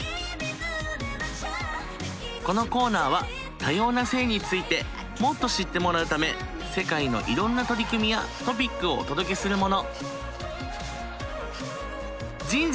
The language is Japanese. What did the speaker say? このコーナーは多様な性についてもっと知ってもらうため世界のいろんな取り組みやトピックをお届けするもの。